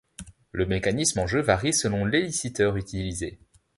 Le mécanisme en jeu varie selon l’éliciteur utilisé.